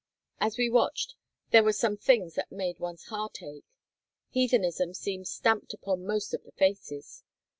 As we watched there were some things that made one's heart ache. Heathenism seemed stamped upon most of the faces.